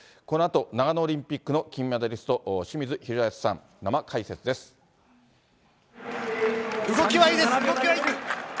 このあと長野オリンピックの金メダリスト、動きはいいです。